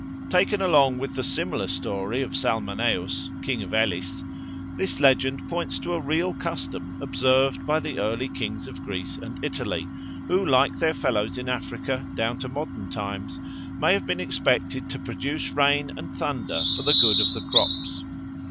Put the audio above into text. Taken along with the similar story of Salmoneus, king of Elis, this legend points to a real custom observed by the early kings of Greece and Italy, who, like their fellows in Africa down to modern times, may have been expected to produce rain and thunder for the good of the crops.